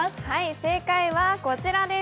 正解はこちらです。